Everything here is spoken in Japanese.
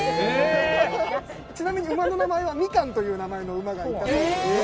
ちなみに馬の名前はミカンという名前の馬がいたそうで。